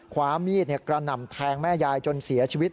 ความมีดกระหน่ำแทงแม่ยายจนเสียชีวิต